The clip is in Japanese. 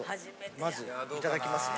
まずいただきますね。